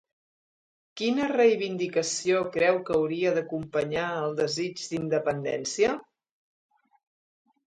Quina reivindicació creu que hauria d'acompanyar el desig d'independència.